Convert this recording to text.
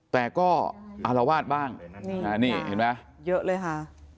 แต่ก็อารวาสบ้างนี่เห็นไหมเยอะเลยค่ะ